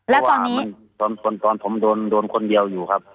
เพราะว่าตอนผมโดนคนเดียวอยู่ครับ